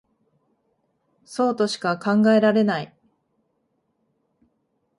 そうとしか考えられない